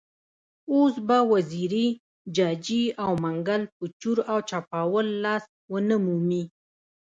اوس به وزیري، جاجي او منګل په چور او چپاول لاس ونه مومي.